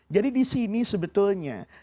jadi disini sebetulnya